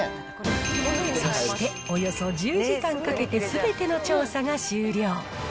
そして、およそ１０時間かけてすべての調査が終了。